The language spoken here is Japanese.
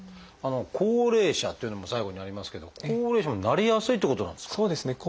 「高齢者」っていうのも最後にありますけども高齢者もなりやすいってことなんですか？